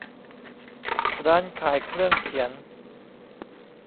ร้านขายเครื่องเขียน